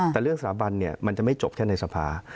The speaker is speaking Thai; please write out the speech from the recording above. แต่เรื่องสถาบันมันจะไม่จบแค่ในสภา